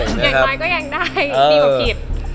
ยังไงก็ยังได้ดีกว่าผิด